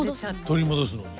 取り戻すのに。